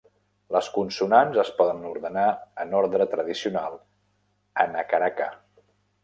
Les consonants es poden ordenar en ordre tradicional "hanacaraka".